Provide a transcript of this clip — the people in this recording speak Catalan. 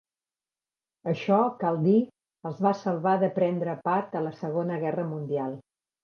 Això, cal dir, els va salvar de prendre part a la Segona Guerra Mundial.